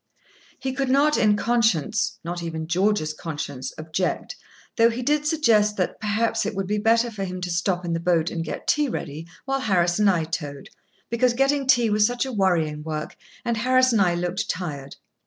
He could not in conscience—not even George's conscience—object, though he did suggest that, perhaps, it would be better for him to stop in the boat, and get tea ready, while Harris and I towed, because getting tea was such a worrying work, and Harris and I looked tired.